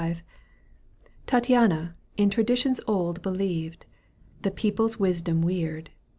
V. ^ Tattiana in traditions old Believed, the people's wisdom weird.